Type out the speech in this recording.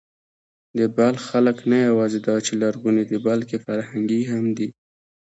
د بلخ خلک نه یواځې دا چې لرغوني دي، بلکې فرهنګي هم دي.